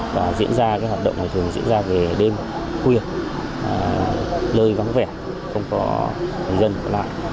và diễn ra hoạt động này thường diễn ra về đêm khuya lơi vắng vẻ không có người dân